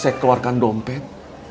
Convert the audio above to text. saya keluarkan dompet